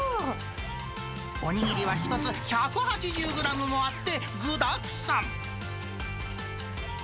お握りは１つ１８０グラムもあって具だくさん。